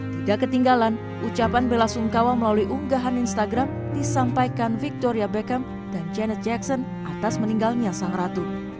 tidak ketinggalan ucapan bela sungkawa melalui unggahan instagram disampaikan victoria beckham dan janet jackson atas meninggalnya sang ratu